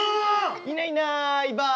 いないいないばあ。